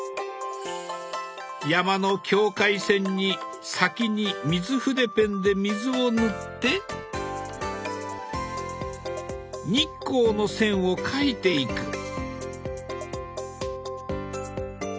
山の境界線に先に水筆ペンで水を塗って日光の線を描いていく。